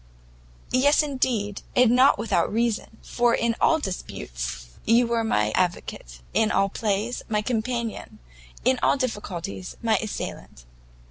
"Yes, indeed, and not without reason, for in all disputes you were my advocate; in all plays, my companion; and in all difficulties, my assistant."